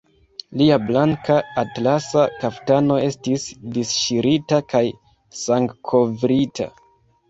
Lia blanka atlasa kaftano estis disŝirita kaj sangkovrita.